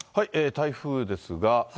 台風ですが。